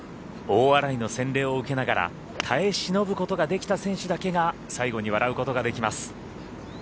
大洗の洗礼を受けながら耐え忍ぶことができた選手だけが最後に笑うことができます。